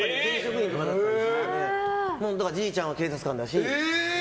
じいちゃんは警察官だし。